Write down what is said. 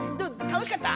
楽しかった？